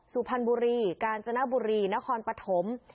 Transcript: สุพรรณบุรีกาญจนบุรีนครปฐม